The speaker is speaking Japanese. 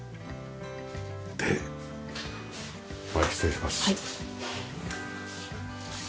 で前失礼します。